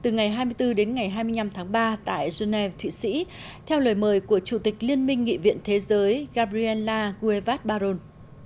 ngày hai mươi bốn đến ngày hai mươi năm tháng ba tại genève thụy sĩ theo lời mời của chủ tịch liên minh nghị viện thế giới gabriela guevat baron